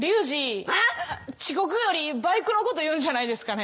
遅刻よりバイクのこと言うんじゃないですかね？